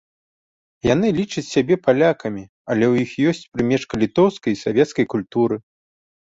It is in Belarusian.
Яны лічаць сябе палякамі, але ў іх ёсць прымешка літоўскай і савецкай культуры.